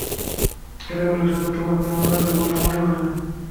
ছেলেগুলোর সাথে তোমাকে মানাবে বলে মনে হয় না।